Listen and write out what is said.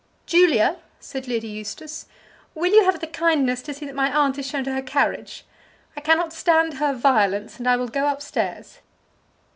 "Julia," said Lady Eustace, "will you have the kindness to see that my aunt is shown to her carriage. I cannot stand her violence, and I will go up stairs."